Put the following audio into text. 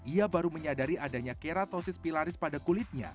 ia baru menyadari adanya keratosis pilaris pada kulitnya